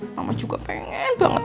mama juga pengen banget